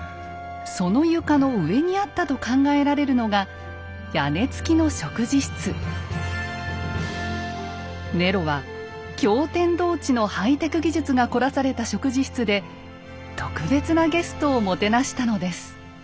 その床の上にあったと考えられるのがネロは驚天動地のハイテク技術が凝らされた食事室で特別なゲストをもてなしたのです。